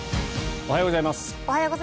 おはようございます。